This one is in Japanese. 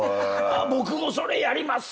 「僕もそれやります！」